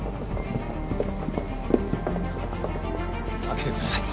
開けてください